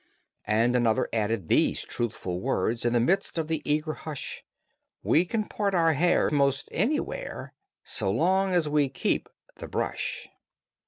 And another added these truthful words In the midst of the eager hush, "We can part our hair 'most anywhere So long as we keep the brush."